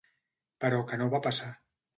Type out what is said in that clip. Però que no va passar.